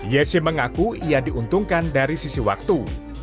yesi mengaku ia diuntungkan dari sisi waktu